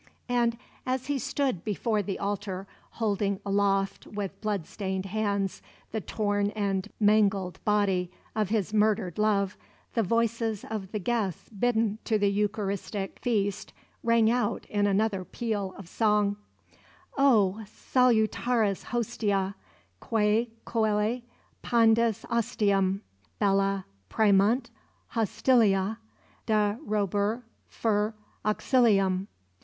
And as he stood before the altar, holding aloft with blood stained hands the torn and mangled body of his murdered love, the voices of the guests bidden to the Eucharistic feast rang out in another peal of song: "Oh salutaris Hostia, Quae coeli pandis ostium; Bella praemunt hostilia, Da robur, fer, auxilium!"